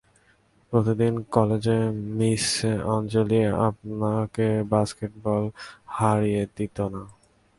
প্রতিদিন কলেজে মিস আঞ্জলি আপনাকে বাস্কেটবলে হারিয়ে দিতো না।